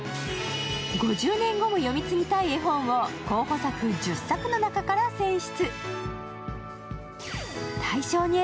５０年後も読み継ぎたい絵本を候補作１０作の中から選出。